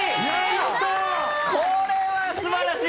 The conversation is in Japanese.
これは素晴らしい！